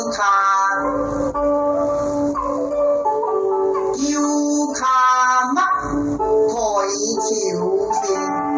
เชือกามาตะเชี่ยวสิ